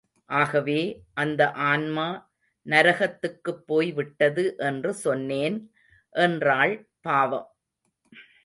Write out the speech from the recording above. ஆகவே, அந்த ஆன்மா நரகத்துக்குப் போய்விட்டது என்று சொன்னேன் என்றாள் பாவம்!